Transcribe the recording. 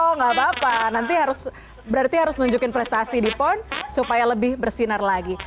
oh nggak apa apa nanti harus berarti harus nunjukin prestasi di pon supaya lebih bersinar lagi